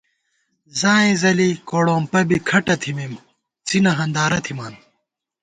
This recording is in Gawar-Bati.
ځائیں ځَلی کوڑومپہ بی کھٹہ تھِمېم، څِنہ ہندارہ تھِمان